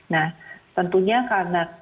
nah tentunya karena